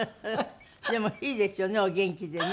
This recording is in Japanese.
でもいいですよねお元気でね。